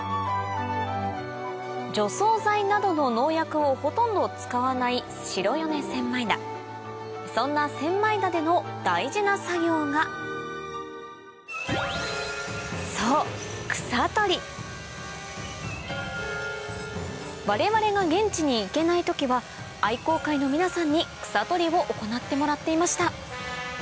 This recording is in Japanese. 除草剤などの農薬をほとんど使わない白米千枚田そんな千枚田での大事な作業がそう我々が現地に行けない時は愛耕会の皆さんに草取りを行ってもらっていました